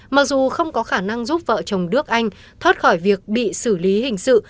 mặc dù không có khả năng giúp vợ chồng đức anh thoát khỏi việc bị xử lý hình sự